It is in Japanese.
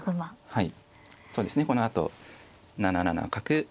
はい。